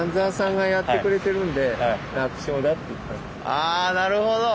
あなるほど！